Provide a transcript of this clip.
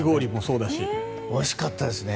おいしかったですね。